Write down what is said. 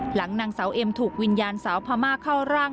หลังนางสาวเอ็มถูกวิญญาณสาวพม่าเข้าร่าง